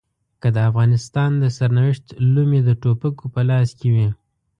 که د افغانستان د سرنوشت لومې د ټوپکو په لاس کې وي.